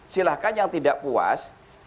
silahkan yang tidak puas